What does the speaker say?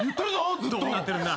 どうなってるんだ。